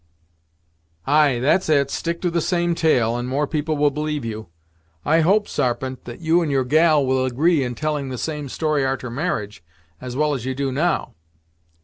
"Ay, that's it! Stick to the same tale, and more people will believe you. I hope, Sarpent, you and your gal will agree in telling the same story arter marriage, as well as you do now.